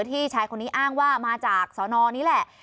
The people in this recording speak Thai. ที่ชายคนนี้อ้างว่ามาจากสนนี้แหละ